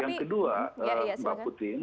yang kedua mbak putri